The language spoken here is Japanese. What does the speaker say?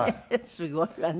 すごいわね。